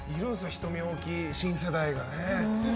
瞳が大きい新世代がね。